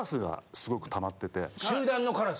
集団のカラス？